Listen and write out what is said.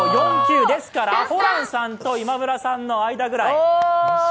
ですからですから、ホランさんと今村さんの間ぐらい。